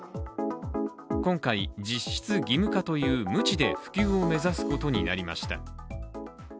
今回、実質義務化というムチで普及を目指すことになりました。